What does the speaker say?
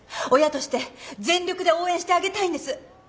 親として全力で応援してあげたいんです。